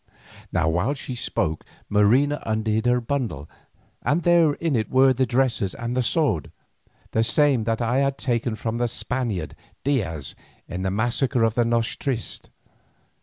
Now while she spoke Marina undid her bundle, and there in it were the dresses and the sword, the same that I had taken from the Spaniard Diaz in the massacre of the noche triste.